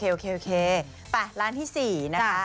โอเคไปร้านที่๔นะคะ